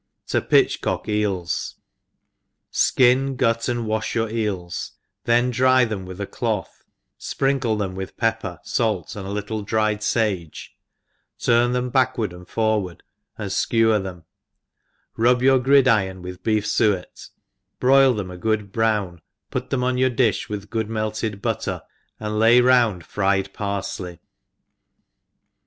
To pitci cocilS.Ehs^ ^ SKIN, gutt and wafh your eels, then dry them with a cloth, fprinkle them with pepper, lalt, 9nd a little dried fage, turn them backward and forward, and fli^ewer them, rub your grid iron with beef fuet, broil them a good brown, pot them on your di(h with good melted but«> ter^ and lav round fryed parfley.